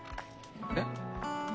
えっ？